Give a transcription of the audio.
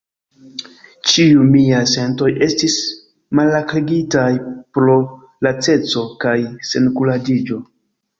Ĉiuj miaj sentoj estis malakrigitaj pro laceco kaj senkuraĝiĝo.